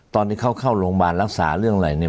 ตอนที่เขาเข้าโรงพยาบาลรักษาเรื่องอะไรเนี่ย